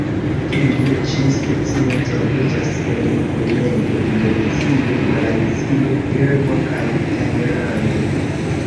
Tiu ĉi specio troviĝas en Brunejo, Indonezio, Malajzio, Birmo kaj Tajlando.